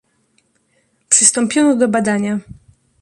"Przystąpiono do badania."